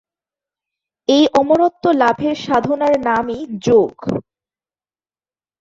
এই অমরত্ব লাভের সাধনার নামই ‘যোগ’।